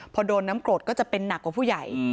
พอโดนน้ำกรดก็จะเป็นหนักกว่าผู้ใหญ่